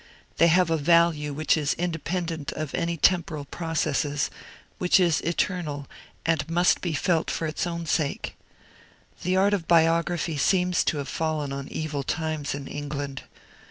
They have a value which is independent of any temporal processes which is eternal, and must be felt for its own sake. The art of biography seems to have fallen on evil times in England.